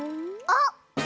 あっ！